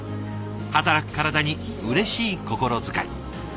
働く体にうれしい心遣い。